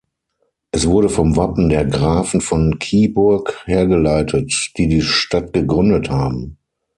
Es wurde vom Wappen der Grafen von Kyburg hergeleitet, die die Stadt gegründet haben.